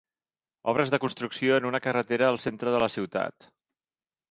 Obres de construcció en una carretera al centre de la ciutat.